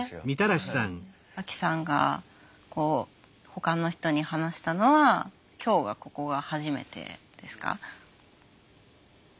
アキさんがこうほかの人に話したのは今日がここが初めてですか？